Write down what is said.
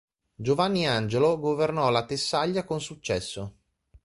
Giovanni Angelo governò la Tessaglia con successo.